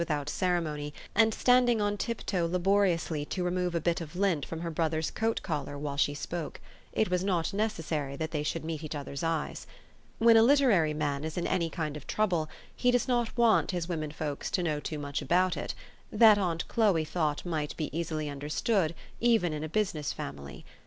311 out ceremony, and standing on tiptoe laboriously to remove a bit of lint from her brother's coat collar while she spoke : it was not necessary that they should meet each other's eyes. When a literary man is in any kind of trouble, he does not want his women folks to know too much about it : that, aunt Cliloe thought might be easily understood, even in a business family.